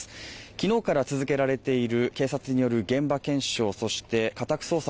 昨日から続けられている警察による現場検証そして家宅捜索